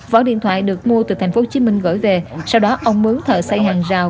vỏ điện thoại được mua từ tp hcm gửi về sau đó ông mướu thợ xây hàng rào